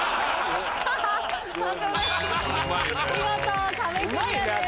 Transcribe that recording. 見事壁クリアです。